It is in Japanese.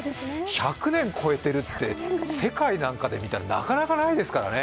１００年超えてるって、世界なんかで見たらなかなかないですからね。